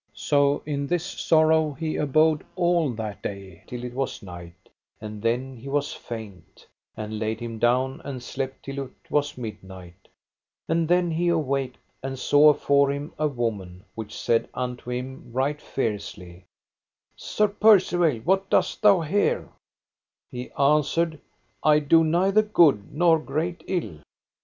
So in this sorrow he abode all that day till it was night; and then he was faint, and laid him down and slept till it was midnight; and then he awaked and saw afore him a woman which said unto him right fiercely: Sir Percivale, what dost thou here? He answered, I do neither good nor great ill.